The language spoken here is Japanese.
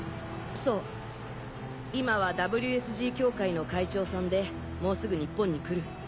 そう今はＷＳＧ協会の会長さんでもうすぐ日本に来る。